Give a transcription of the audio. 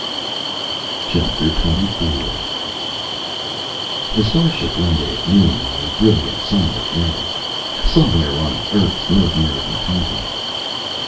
Chapter Twenty Four The starship landed at noon on a brilliant sunlit day, somewhere on Earth's North American continent.